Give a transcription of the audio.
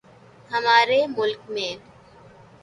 ہمارے ملک میں